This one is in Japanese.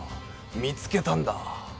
見つけたんだ！